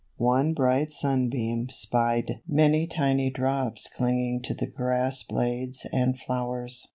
one bright sunbeam spied many tiny drops clinging to the grass blades and flowers.